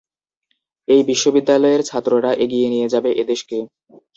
এই বিশ্ববিদ্যালয়ের ছাত্ররা এগিয়ে নিয়ে যাবে এদেশেকে।